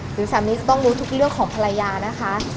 สามีจะต้องรู้ทุกเรื่องของภรรยานะคะ